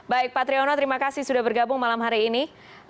baik pak triyono terima kasih sudah bergabung malam hari ini